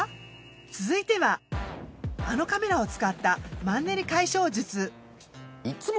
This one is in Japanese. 続いてはあのカメラを使ったマンネリ解消術。